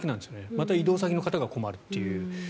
また移動先の方が困るという。